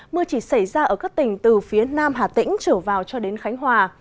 mưa chỉ xảy ra ở các tỉnh từ phía nam hà tĩnh trở vào cho đến khánh hòa